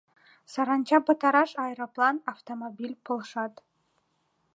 Саранча пытараш аэроплан, автомобиль полшат.